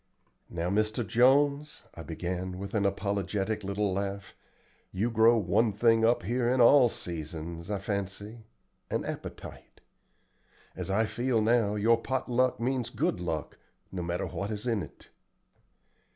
"Now, Mr. Jones," I began with an apologetic little laugh, "you grow one thing up here in all seasons, I fancy an appetite. As I feel now, your pot luck means good luck, no matter what is in it."